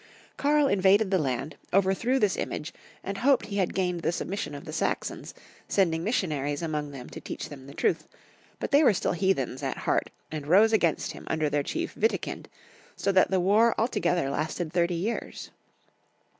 Karl invaded the land, overthrew this image, and hoped he had gained the submission of the Saxons, send ing missionaries among them to teach them the truth ; but they were still heathens at heart, and rose against him under their chief Witikind, so that the war altogether lasted thirty years.